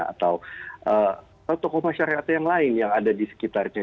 atau tokoh masyarakat yang lain yang ada di sekitarnya